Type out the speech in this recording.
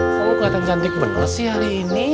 kamu keliatan cantik bener sih hari ini